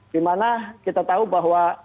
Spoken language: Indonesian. dimana kita tahu bahwa